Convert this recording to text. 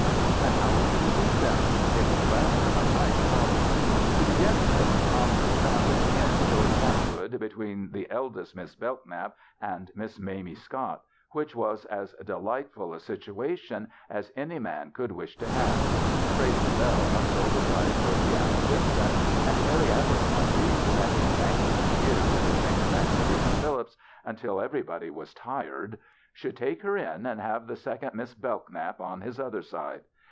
And how was he to seat them? It was rather a nice problem. To begin with, Tom sandwiched in George HajDgood between the eldest Miss Bellknap and Miss Mamie Scott, which was as delightful a situation as any 42 THE BACHELORS CHRISTMAS man could wish to have. Frazer Bell must go beside Georgiana Dixon, and Harry Aber crombie, who had been dangling for years in the train of Angelina Phillips until everybody was tired, should take her in and have the second Miss Bellknap on his other side.